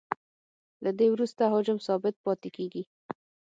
له دې وروسته حجم ثابت پاتې کیږي